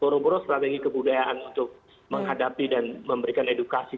boroboro strategi kebudayaan untuk menghadapi dan memberikan edukasi